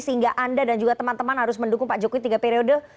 sehingga anda dan juga teman teman harus mendukung pak jokowi tiga periode